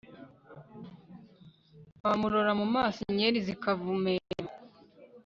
wamurora mu maso inyeri zikavumera